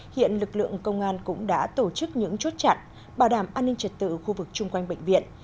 hiện lực lượng công an cũng đã tổ chức những chốt chặn bảo đảm an ninh trật tự khu vực chung quanh bệnh viện